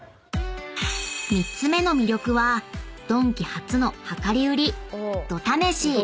［３つ目の魅力はドンキ初の量り売り］